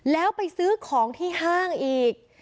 แล้วไปซื้อของที่ห้างอีก